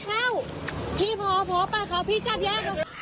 ตอนนี้ก็ไม่มีครองวิ่ง